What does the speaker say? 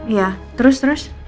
iya terus terus